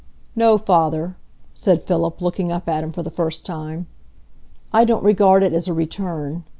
"No, father," said Philip, looking up at him for the first time; "I don't regard it as a return.